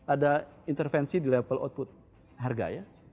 ada intervensi di level output harga ya